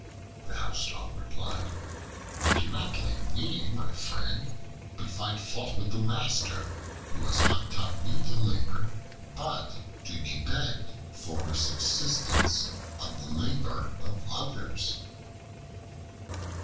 The Housedog replied, "Do not blame me, my friend, but find fault with the master, who has not taught me to labor, but to depend for subsistence on the labor of others."